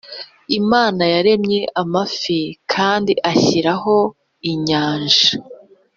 Imana yaremye amafi kandi ashyiraho inyanja